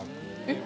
えっ？